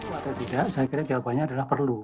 atau tidak saya kira jawabannya adalah perlu